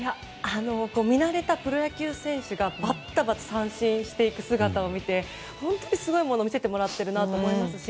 見慣れたプロ野球選手がバタバタ三振していく姿を見て本当にすごいものを見せてもらっているなと感じますし